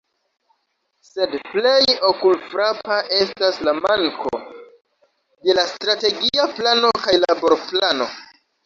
Sed plej okulfrapa estas la manko de la “Strategia Plano kaj Laborplano”.